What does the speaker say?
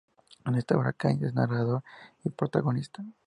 En esta obra Caín es narrador y protagonista.